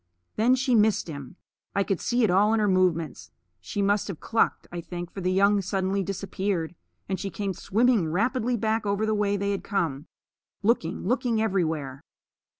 Then she missed him. I could see it all in her movements. She must have clucked, I think, for the young suddenly disappeared, and she came swimming rapidly back over the way they had come, looking, looking everywhere.